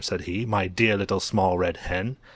said he, "My dear Little Small Red Hen!"